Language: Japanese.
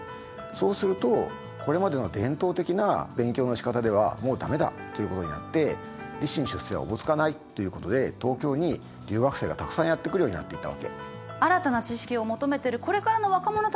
そうするとこれまでの伝統的な勉強のしかたではもう駄目だということになって立身出世がおぼつかないということで東京に留学生がたくさんやって来るようになっていたわけ。